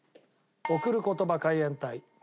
『贈る言葉』海援隊。